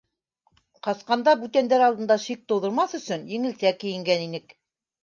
— Ҡасҡанда, бүтәндәр алдында шик тыуҙырмаҫ өсөн еңелсә кейенгән инек.